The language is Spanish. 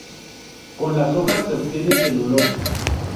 Con las hojas se obtiene celulosa.